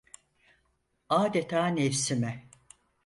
Adeta nefsime: